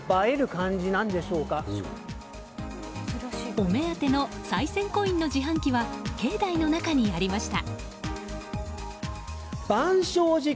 お目当てのさい銭コインの自販機は境内の中にありました。